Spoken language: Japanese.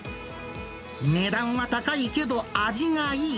値段は高いけど味がいい